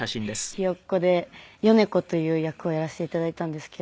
『ひよっこ』で米子という役をやらせて頂いたんですけど。